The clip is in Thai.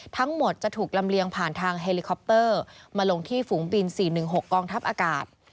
ทั้งหมดจะถูกลำเลียงผ่านทางเฮลิคอปเตอร์มาลงที่ฝูงบิน๔๑๖กองทัพอากาศ